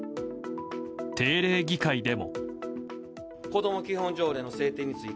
定例議会でも。